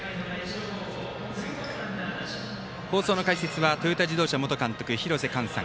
放送の解説はトヨタ自動車元監督廣瀬寛さん。